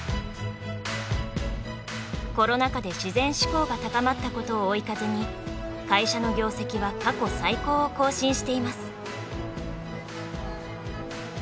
コロナ禍で自然志向が高まったことを追い風に会社の業績は過去最高を更新しています。